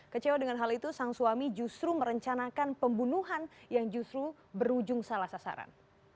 kecewa dengan hal itu sang suami justru merencanakan pembunuhan yang justru berujung salah sasaran